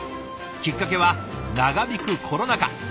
きっかけは長引くコロナ禍。